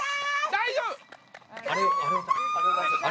大丈夫！